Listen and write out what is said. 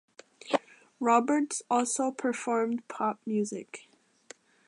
Roberts also performed pop music.